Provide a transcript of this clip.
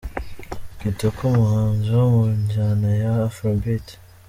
Kitoko, umuhanzi wo mu njyana ya Afrobeat.